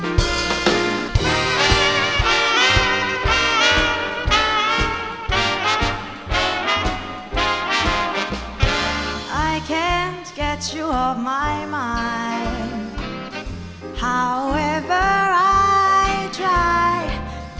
เผื่อเชื่อชอบให้สมเรื่องไทย